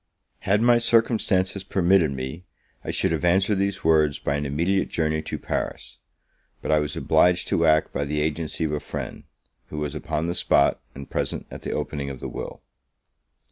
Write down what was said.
Had my circumstances permitted me, I should have answered these words by an immediate journey to Paris; but I was obliged to act by the agency of a friend, who was upon the spot, and present at the opening of the will.